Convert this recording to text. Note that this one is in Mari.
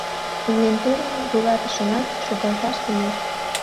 Илен-толын вуйлатышылан шогалташ лиеш.